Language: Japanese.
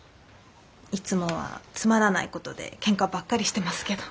いつもはつまらないことでケンカばっかりしてますけど。